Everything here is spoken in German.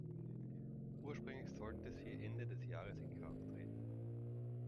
Ursprünglich sollte sie Ende des Jahres in Kraft treten.